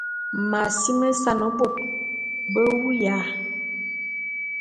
M’asimesan bot be wuya.